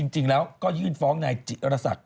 จริงแล้วก็ยื่นฟ้องนายจิรษัก